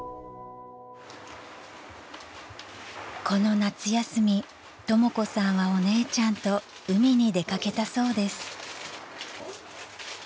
［この夏休みとも子さんはお姉ちゃんと海に出掛けたそうです］